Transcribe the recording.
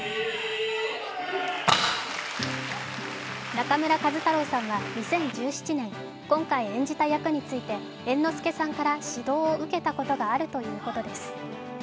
中村壱太郎さんは２０１７年、今回演じた役について、猿之助さんから指導を受けたことがあるということです。